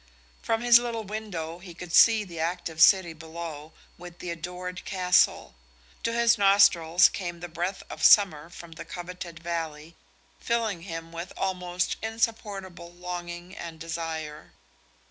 From his little window he could see the active city below, with the adored castle; to his nostrils came the breath of summer from the coveted valley, filling him with almost insupportable longing and desire.